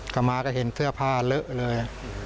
กลับมาก็เห็นเสื้อผ้าเลอะเลย